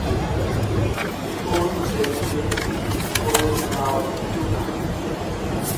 ফুল দেখতে হলুদাভ সাদা।